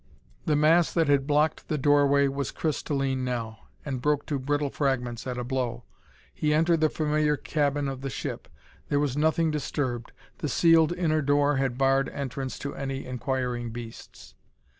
The mass that had blocked the doorway was crystalline now, and broke to brittle fragments at a blow. He entered the familiar cabin of the ship. There was nothing disturbed; the sealed inner door had barred entrance to any inquiring beasts.